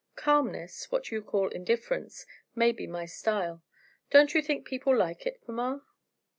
Calmness, what you call indifference, may be my style. Don't you think people like it, mamma?"